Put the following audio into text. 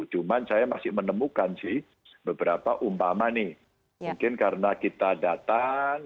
cuma saya masih menemukan sih beberapa umpama nih mungkin karena kita datang